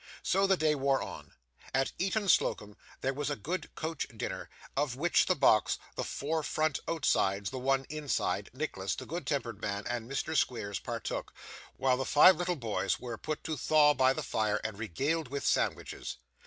So the day wore on. At Eton Slocomb there was a good coach dinner, of which the box, the four front outsides, the one inside, Nicholas, the good tempered man, and Mr. Squeers, partook; while the five little boys were put to thaw by the fire, and regaled with sandwiches.